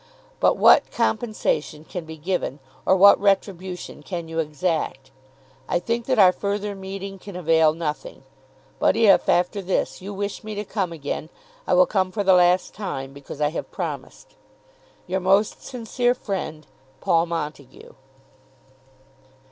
But what compensation can be given, or what retribution can you exact? I think that our further meeting can avail nothing. But if, after this, you wish me to come again, I will come for the last time, because I have promised. Your most sincere friend, PAUL MONTAGUE.